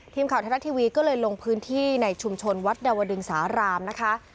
ทรัฐทีวีก็เลยลงพื้นที่ในชุมชนวัดดาวดึงสารามนะคะ